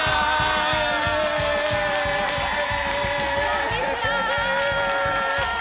こんにちは！